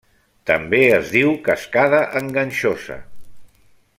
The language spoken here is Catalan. També es diu cascada enganxosa.